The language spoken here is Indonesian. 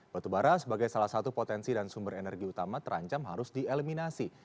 batubara sebagai salah satu potensi dan sumber energi utama terancam harus dieliminasi